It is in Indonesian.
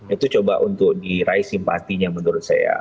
itu coba untuk diraih simpatinya menurut saya